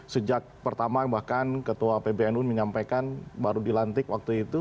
sejak pertama bahkan ketua pbnu menyampaikan baru dilantik waktu itu